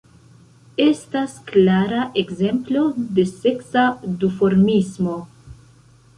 Estas klara ekzemplo de seksa duformismo.